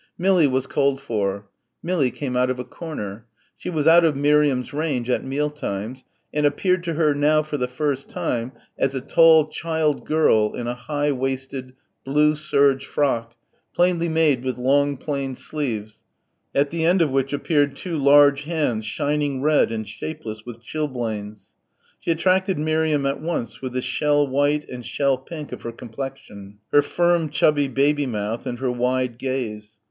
"Millie" was called for. Millie came out of a corner. She was out of Miriam's range at meal times and appeared to her now for the first time as a tall child girl in a high waisted, blue serge frock, plainly made with long plain sleeves, at the end of which appeared two large hands shining red and shapeless with chilblains. She attracted Miriam at once with the shell white and shell pink of her complexion, her firm chubby baby mouth and her wide gaze.